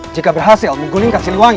jika berhasil mengguningkan siliwangi